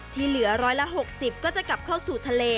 เหลือร้อยละ๖๐ก็จะกลับเข้าสู่ทะเล